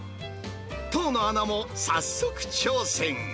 遠野アナも早速挑戦。